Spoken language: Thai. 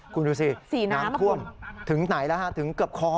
คุณดูสิน้ำท่วมถึงไหนแล้วฮะถึงเกือบคอ